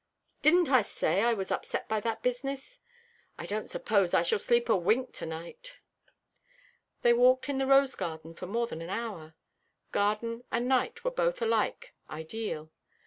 "Didn't I say that I was upset by that business? I don't suppose I shall sleep a wink to night." They walked in the rose garden for more than an hour. Garden and night were both alike ideal.